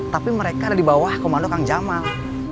tapi mereka ada di bawah komando kang jamal